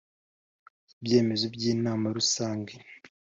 ibyemezo by Inama Rusange